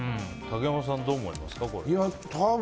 竹山さんはどう思いますか。